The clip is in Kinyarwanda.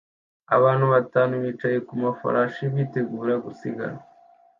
Abantu batanu bicaye ku mafarashi bitegura gusiganwa